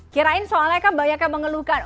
kirain soalnya kan banyak yang mengeluhkan